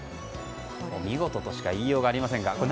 お見事としか言いようがありませんが。